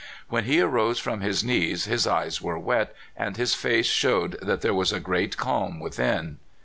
When he arose from his knees his eyes w^ere wet, and his face showed that there was a great calm within.